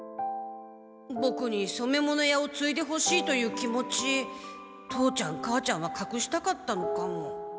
ボクにそめ物屋をついでほしいという気持ち父ちゃん母ちゃんはかくしたかったのかも。